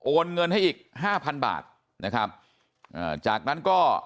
โอนเงินให้อีก๕๐๐๐บาทนะครับจากนั้น